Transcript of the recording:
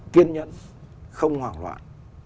tiên nhẫn không hoảng loạn